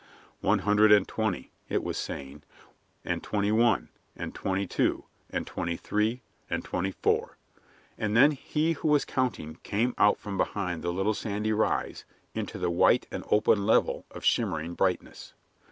"One hundred and twenty," it was saying "and twenty one, and twenty two, and twenty three, and twenty four," and then he who was counting came out from behind the little sandy rise into the white and open level of shimmering brightness.